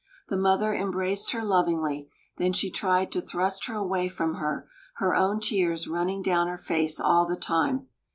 The mother embraced her lovingly; then she tried to thrust her away from her, her own tears running down her face all the time.